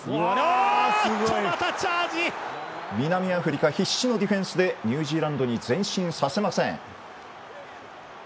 南アフリカ必死のディフェンスでニュージーランドに前進させません。